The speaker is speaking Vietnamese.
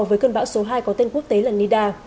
với cơn bão số hai có tên quốc tế là nida